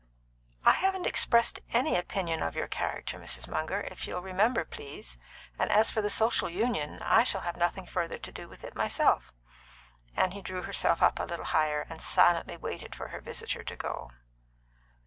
"I haven't expressed any opinion of your character, Mrs. Munger, if you'll remember, please; and as for the Social Union, I shall have nothing further to do with it myself." Annie drew herself up a little higher, and silently waited for her visitor to go.